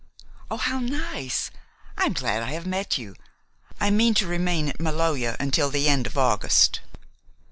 "Oh, how nice! I am glad I have met you. I mean to remain at Maloja until the end of August."